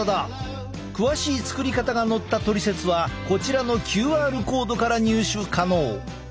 詳しい作り方が載ったトリセツはこちらのＱＲコードから入手可能。